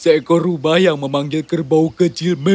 seekor rubah yang memanggil kerbau kecil